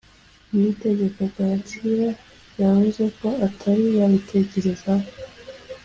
Niyitegeka Gratien yavuze ko atari yabitekerezaho